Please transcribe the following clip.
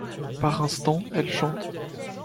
Par instants, elle chante.